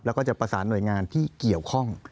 แล้วก็จะประสานหน่วยงานที่เกี่ยวข้อง